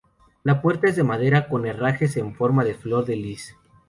La puerta es de madera con herrajes en forma de flor de Lis.